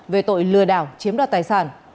về tội lừa đảo chiếm đoạt tài sản